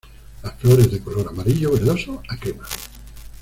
Las flores de color amarillo verdoso a crema.